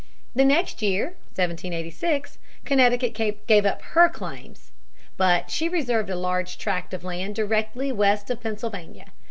The next year (1786) Connecticut gave up her claims. But she reserved a large tract of land directly west of Pennsylvania.